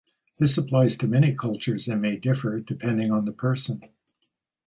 This applies to many cultures and may differ depending on the person.